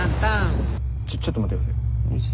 ちょっちょっと待って下さい。